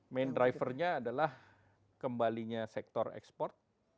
main driver nya adalah kembalinya sektor ekspor